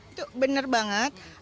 itu bener banget